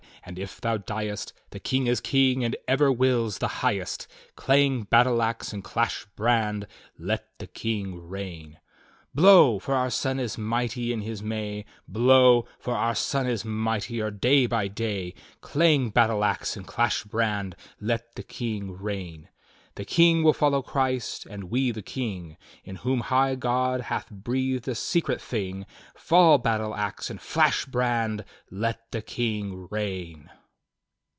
and if thou diest, The King is king, and ever wills the highest. Clang battle ax, and clash brand! Let the King reign! "'Blow, for our Sun is mighty in his May! Blow, for our Sun is mightier day by day! Clang battle ax, and clash brand! Let the King reign! "'The King will follow Christ, and we the King, In whom high God hath breathed a secret thing. Fall battle ax, and flash brand! Let the King reign!"